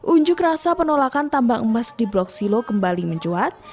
unjuk rasa penolakan tambang emas di blok silo kembali mencuat